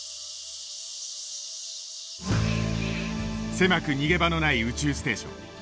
狭く逃げ場のない宇宙ステーション。